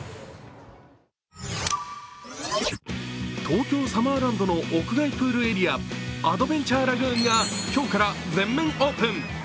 東京サマーランドの屋外プールエリアアドベンチャーラグーンが今日から全面オープン。